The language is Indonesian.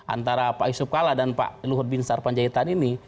antara pak isop kala dan pak luhur bin sar panjaitan ini